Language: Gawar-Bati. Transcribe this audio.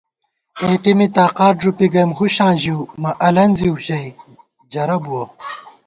اېٹېمی تاقات ݫُپی گَئیم ہُشاں ژِؤ مہ الَنزِؤ ژَئی جرہ بُوَہ